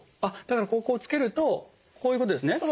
あっだからこうつけるとこういうことですね？